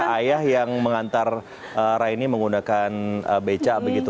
ayah yang mengantar raini menggunakan beca begitu